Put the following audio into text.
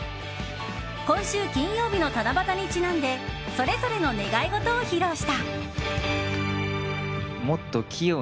今週金曜日の七夕にちなんでそれぞれの願い事を披露した。